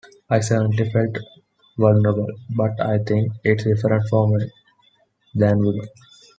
I certainly felt vulnerable, but I think it's different for men than women.